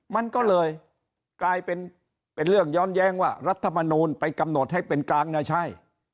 มันก็เลยกลายเป็นเป็นเรื่องย้อนแย้งว่ารัฐมนูลไปกำหนดให้เป็นกลางนะใช่